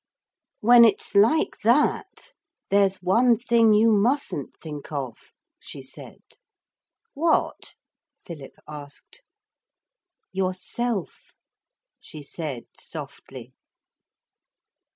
'When it's like that, there's one thing you mustn't think of,' she said. 'What?' Philip asked. 'Yourself,' she said softly.